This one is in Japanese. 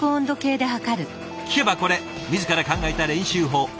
聞けばこれ自ら考えた練習法。